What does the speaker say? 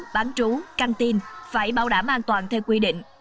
bán trú căng tin phải bảo đảm an toàn theo quy định